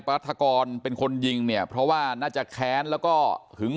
รัฐกรเป็นคนยิงเนี่ยเพราะว่าน่าจะแค้นแล้วก็หึง